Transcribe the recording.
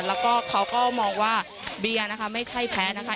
แล้วก็เขาก็มองว่าเบียร์นะคะไม่ใช่แพ้นะคะ